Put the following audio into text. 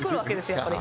やっぱり。